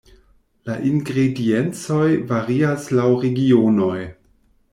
La ingrediencoj varias laŭ regionoj.